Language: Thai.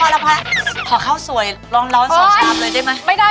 เพราะข้าวสวยลองร้อนสองชาปเลยได้มั้ย